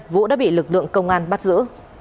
vũ đã bị lực lượng công an bắt giữ